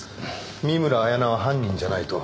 見村彩那は犯人じゃないと？